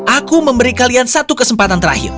aku memberi kalian satu kesempatan terakhir